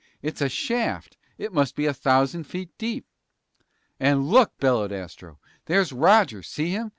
It's a shaft! It must be a thousand feet deep!" "And look!" bellowed Astro. "There's Roger! See him?